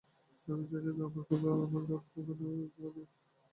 আমি চাই তুমি আমাকে আর আমার দলকে ওখানে ওই পাহাড়ের উপরে নিয়ে যাও।